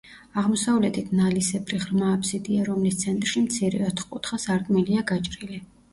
აღმოსავლეთით ნალისებრი, ღრმა აფსიდია, რომლის ცენტრში მცირე, ოთხკუთხა სარკმელია გაჭრილი.